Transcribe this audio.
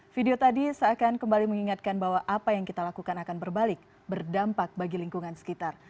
video tadi seakan kembali mengingatkan bahwa apa yang kita lakukan akan berbalik berdampak bagi lingkungan sekitar